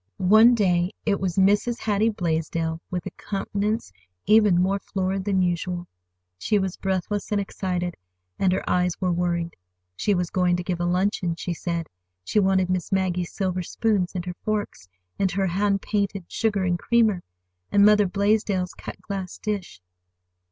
One day it was Mrs. Hattie Blaisdell, with a countenance even more florid than usual. She was breathless and excited, and her eyes were worried. She was going to give a luncheon, she said. She wanted Miss Maggie's silver spoons, and her forks, and her hand painted sugar and creamer, and Mother Blaisdell's cut glass dish.